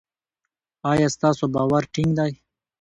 ایا ستاسو باور ټینګ دی؟